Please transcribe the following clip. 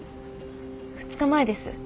２日前です。